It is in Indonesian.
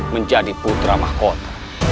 menjadi putra mahkota